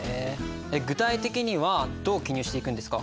具体的にはどう記入していくんですか？